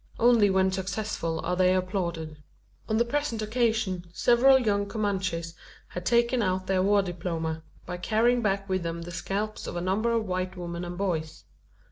Only when successful are they applauded. On the present occasion several young Comanches had taken out their war diploma, by carrying back with them the scalps of a number of white women and boys.